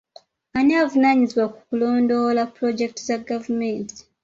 Ani avunaanyizibwa ku kulondoola pulojekiti za gavumenti?